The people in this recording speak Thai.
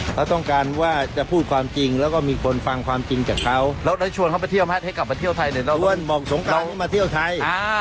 เขาต้องการว่าจะพูดความจริงแล้วก็มีคนฟังความจริงจากเขาแล้วได้ชวนเขาไปเที่ยวไหมให้กลับมาเที่ยวไทยเนี่ยเราอ้วนบอกสงเคราะห์มาเที่ยวไทย